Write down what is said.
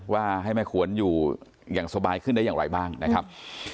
ว่าให้แม่ขวนอยู่อย่างสบายขึ้นได้อย่างไรบ้างนะครับ